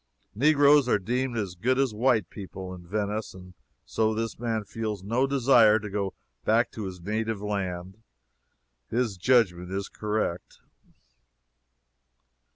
Negroes are deemed as good as white people, in Venice, and so this man feels no desire to go back to his native land. His judgment is correct.